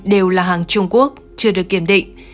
đều là hàng trung quốc chưa được kiểm định